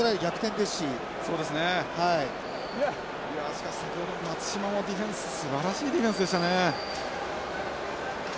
しかし先ほどの松島のディフェンスすばらしいディフェンスでしたね。